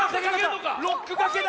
ロックがけだ！